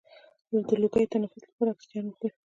د لوګي د تنفس لپاره اکسیجن واخلئ